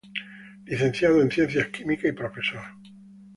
Licenciado en Ciencias Químicas y profesor.